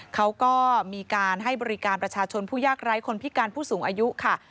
เขาก็มีการให้บริการประชาชนผู้ยากไร้คนพิการผู้สูงอายุค่ะ